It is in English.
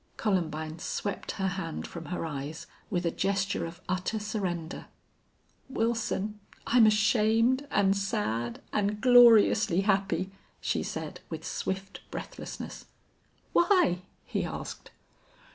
Columbine swept her hand from her eyes with a gesture of utter surrender. "Wilson, I'm ashamed and sad and gloriously happy," she said, with swift breathlessness. "Why?" he asked.